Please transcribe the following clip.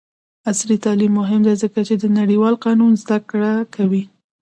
عصري تعلیم مهم دی ځکه چې د نړیوال قانون زدکړه کوي.